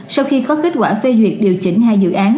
sau khi có kết quả phê duyệt điều chỉnh hai dự án